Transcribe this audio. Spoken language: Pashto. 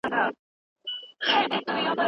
دا زموږ ګاڼه دي .